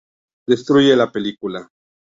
Destruye la película.